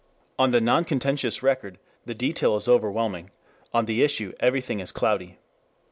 On the non contentious record, the detail is overwhelming; on the issue everything is cloudy.